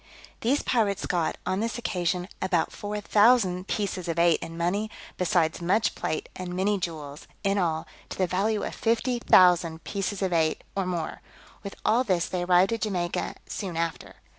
These pirates got, on this occasion, above four thousand pieces of eight in money, besides much plate, and many jewels; in all, to the value of fifty thousand pieces of eight, or more: with all this they arrived at Jamaica soon after.